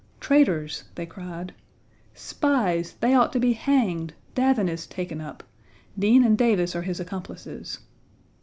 "Traitors," they cried. "Spies; they ought to be hanged; Davin is taken up, Dean and Davis are his accomplices."